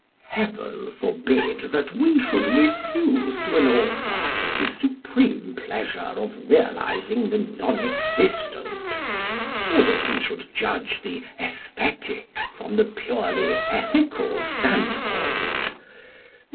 Heaven forbid that we should refuse to an author the supreme pleasure of realising the non existent; or that we should judge the "æsthetic" from the purely ethical standpoint.